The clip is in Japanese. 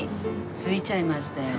着いちゃいましたよ